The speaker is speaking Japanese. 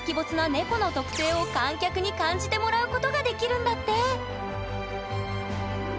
猫の特性を観客に感じてもらうことができるんだって！